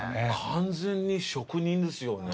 完全に職人ですよね。